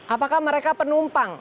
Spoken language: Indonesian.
apakah mereka penumpang